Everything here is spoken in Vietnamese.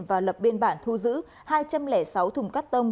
và lập biên bản thu giữ hai trăm linh sáu thùng cắt tông